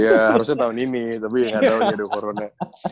iya harusnya tahun ini tapi gak tau ya deh corona